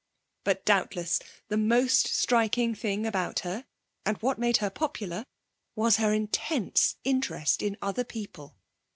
But, doubtless, the most striking thing about her and what made her popular was her intense interest in other people.